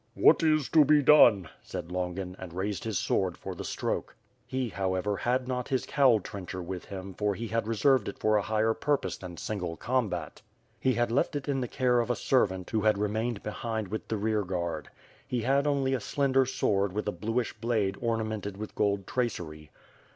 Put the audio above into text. "What is to be done?" said Longin and raised his sword for the stroke. He, however, had not his cowl trencher with him fo' he had reserved it for a higher purpose than single combat, ^e had left it in the care of a servant who had remained bel id with the rear guard. He had only a slender sword wit.i a bluish blade ornamented with gold tracery.